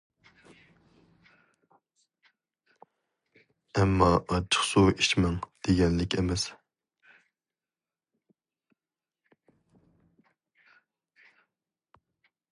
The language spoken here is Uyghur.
ئەممە ئاچچىقسۇ ئىچمەڭ دېگەنلىك ئەمەس.